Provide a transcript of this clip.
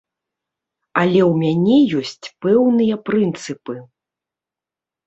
Але ў мяне ёсць пэўныя прынцыпы.